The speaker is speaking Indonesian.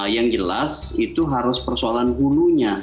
yang jelas itu harus persoalan hulunya